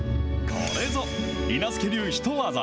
これぞ、りな助流ヒトワザ。